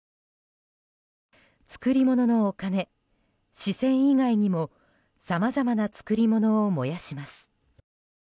作り物のお金、紙銭以外にもさまざまな作り物を燃やします。